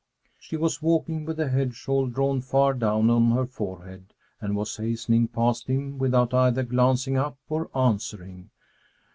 She was walking with the head shawl drawn far down on her forehead, and was hastening past him without either glancing up or answering.